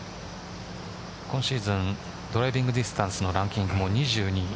今シーズンドライビングディスタンスのランキングも２２位。